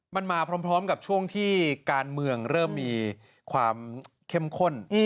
มันมาพร้อมกับช่วงที่การเมืองเริ่มมีความเข้มข้น